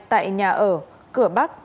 tại nhà ở cửa bắc